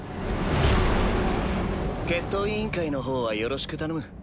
決闘委員会の方はよろしく頼む。